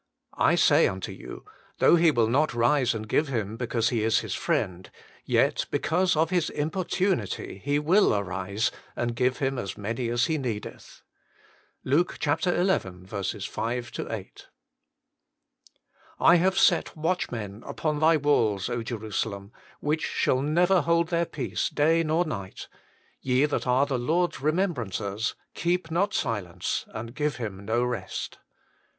I say unto you, Though he will not rise and give him, because he is his friend, yet, because of his importunity, he will arise and give him as many as he needeth." LUKE xi. 5 8. "I have set watchmen upon thy walls, Jerusalem, which shall never hold their peace day nor night: ye that are the Lord s remembrancers, keep not silence, and give Him no rest."